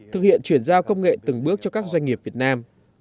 thực hiện chuyển giao công nghệ từng bước cho các doanh nghiệp việt nam